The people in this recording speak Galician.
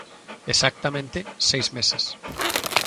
Exactamente seis meses.